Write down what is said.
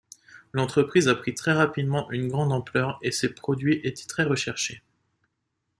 L'entreprise a pris très rapidement une grande ampleur et ses produits étaient très recherchés.